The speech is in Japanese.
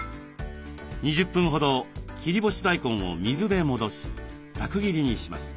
２０分ほど切り干し大根を水で戻しざく切りにします。